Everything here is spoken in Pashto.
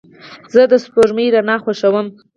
زه د سپوږمۍ رڼا خوښوم.